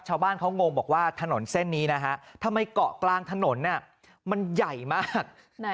ชาวบ้านเขางงบอกว่าถนนเส้นนี้นะฮะทำไมเกาะกลางถนนมันใหญ่มาก